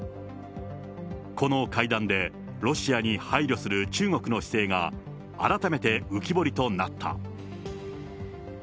この会談で、ロシアに配慮する中国の姿勢が、改めて浮き彫りとなった。